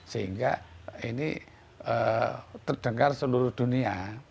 sehingga ini terdengar seluruh dunia